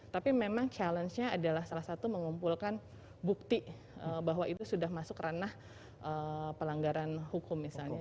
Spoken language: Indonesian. tapi memang challenge nya adalah salah satu mengumpulkan bukti bahwa itu sudah masuk ranah pelanggaran hukum misalnya